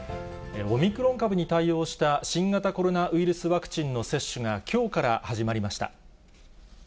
オミクロン株に対応した新型コロナウイルスワクチンの接種がきょうから始まりました。